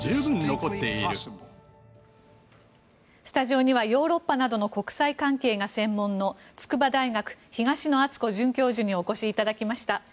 スタジオにはヨーロッパなどの国際関係が専門の筑波大学、東野篤子准教授にお越しいただきました。